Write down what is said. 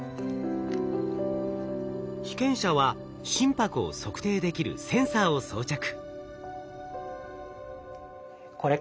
被験者は心拍を測定できるセンサーを装着。